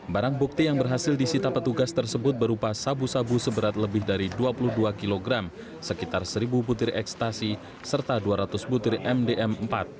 barang bukti yang berhasil disita petugas tersebut berupa sabu sabu seberat lebih dari dua puluh dua kg sekitar seribu butir ekstasi serta dua ratus butir mdm empat